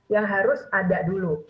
yang harus ada dulu